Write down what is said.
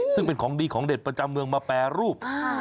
ซึ่งเป็นของดีของเด็ดประจำเมืองมาแปรรูป